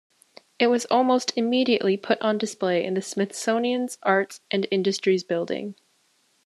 It was almost immediately put on display in the Smithsonian's Arts and Industries Building.